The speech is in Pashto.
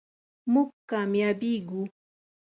مونږ کامیابیږو